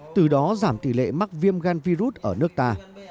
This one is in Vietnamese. từ đó giảm tỷ lệ mắc viêm gan virus ở nước ta